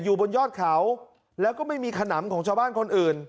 บนยอดเขาแล้วก็ไม่มีขนำของชาวบ้านคนอื่น